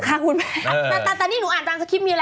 ขอบคุณมากแต่นี่หนูอ่านตามสกิพย์มีอะไร